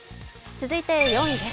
続いて４位です。